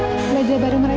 sana mama belajar baru mereka